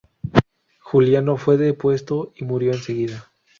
Juliano fue depuesto y murió enseguida.